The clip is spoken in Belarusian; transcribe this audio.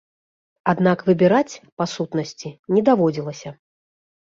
Аднак выбіраць, па сутнасці, не даводзілася.